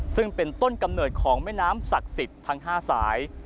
ซึ่งเป็นต้นกำเนิดของแม่น้ำศักดิ์สิทธิ์ทั้ง๕สาย